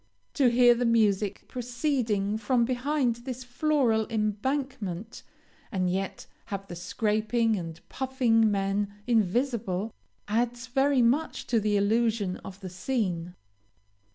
To hear the music proceeding from behind this floral embankment, and yet have the scraping and puffing men invisible, adds very much to the illusion of the scene.